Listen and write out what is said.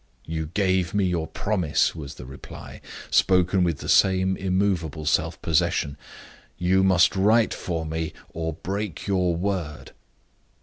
"You gave me your promise," was the reply, spoken with the same immovable self possession. "You must write for me, or break your word."